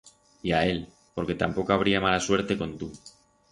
Y a él, porque tampoco habría mala suerte con tu.